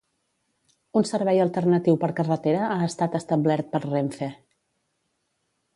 Un servei alternatiu per carretera ha estat establert per Renfe.